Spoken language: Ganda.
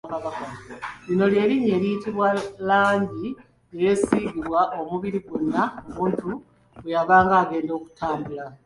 Lino lye linnya eriyitibwa langi eyeesiigibwanga omubiri gwonna omuntu bwe yabanga agenda okutabaala.